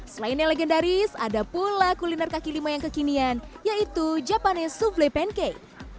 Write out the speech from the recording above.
selain yang legendaris ada juga kuliner kaki lima yang kekinian yaitu japanes souffle pancake